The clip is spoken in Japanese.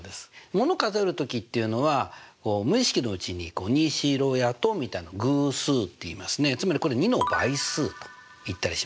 もの数える時っていうのは無意識のうちに２４６８１０みたいな偶数っていいますねつまりこれ２の倍数といったりします。